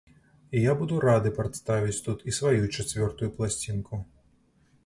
І я буду рады прадставіць тут і сваю чацвёртую пласцінку.